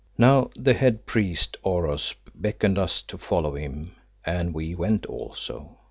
Now the head priest Oros beckoned to us to follow him, and we went also.